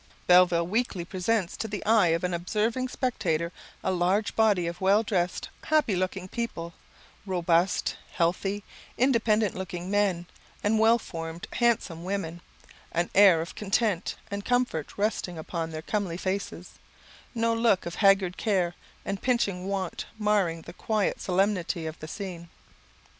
Belleville weekly presents to the eye of an observing spectator a large body of well dressed, happy looking people, robust, healthy, independent looking men, and well formed, handsome women; an air of content and comfort resting upon their comely faces, no look of haggard care and pinching want marring the quiet solemnity of the scene.